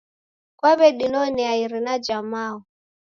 Kwaw'edinonea irina ja mao